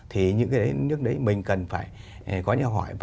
thì những cái nước đấy mình cần phải có những hỏi